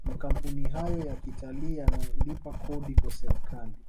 makampuni hayo ya kitalii yanalipa Kodi kwa serikali